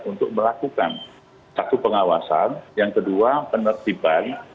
untuk melakukan satu pengawasan yang kedua penertiban